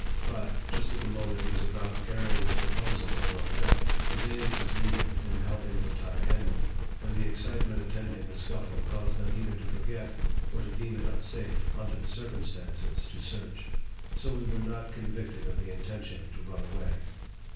But, just at the moment he was about carry ing his proposal into effect, his aid was needed in help ing to tie Henry ; and the excitement attending the scuffle caused them either to forget, or to deem it unsafe, under the circumstances, to search. So we were not yet convicted of the intention to run away.